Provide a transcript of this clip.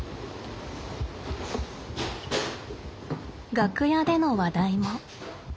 楽屋での話題も。